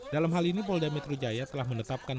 dalam hal ini polda metro jaya telah menetapkan